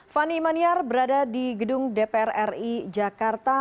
fani maniar berada di gedung dpr ri jakarta